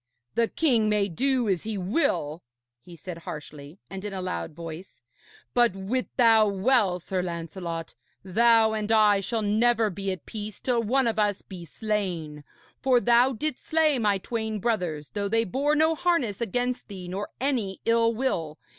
'The king may do as he will,' he said harshly and in a loud voice, 'but wit thou well, Sir Lancelot, thou and I shall never be at peace till one of us be slain; for thou didst slay my twain brothers, though they bore no harness against thee nor any ill will.